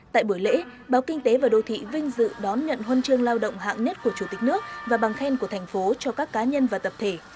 tại buổi lễ báo kinh tế và đô thị vinh dự đón nhận huân chương lao động hạng nhất của chủ tịch nước và bằng khen của thành phố cho các cá nhân và tập thể